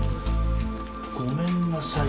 「ごめんなさい。